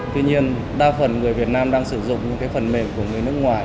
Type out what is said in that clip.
tuy nhiên đa phần người việt nam đang sử dụng những cái phần mềm của người nước ngoài